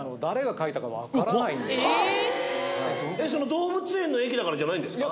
動物園の駅だからじゃないんですか？